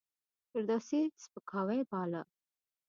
فردوسي سپکاوی باله.